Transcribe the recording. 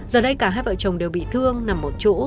giờ đây cả hai vợ chồng đều bị thương nằm một chỗ